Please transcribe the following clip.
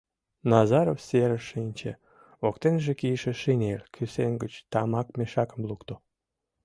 Назаров серыш шинче, воктеныже кийыше шинель кӱсен гыч тамак мешакым лукто.